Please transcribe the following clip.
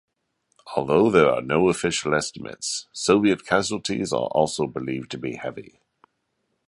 Although there are no official estimates, Soviet casualties are also believed to be heavy.